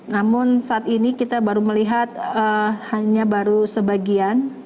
namun saat ini kita baru melihat hanya baru sebagian